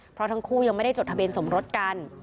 เพราะทั้งคู่ยังไม่ได้จดทะเบียนสมรสกัน